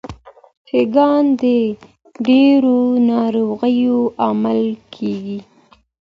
پګان د ډیرو ناروغیو لامل کیږي.